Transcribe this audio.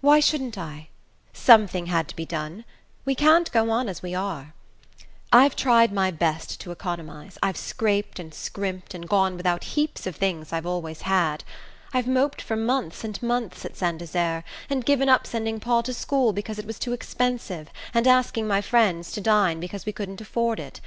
"Why shouldn't I? Something had to be done. We can't go on as we are. I've tried my best to economize I've scraped and scrimped, and gone without heaps of things I've always had. I've moped for months and months at Saint Desert, and given up sending Paul to school because it was too expensive, and asking my friends to dine because we couldn't afford it.